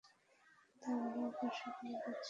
আমার অবশ্য কোনো বাচ্চা নেই।